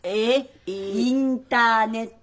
インターネット。